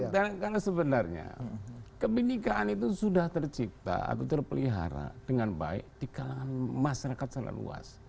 karena sebenarnya kebenekaan itu sudah tercipta atau terpelihara dengan baik di kalangan masyarakat sangat luas